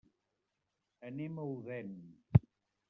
Anem a Odèn.